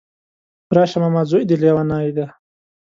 راشه ماما ځوی دی ليونی دی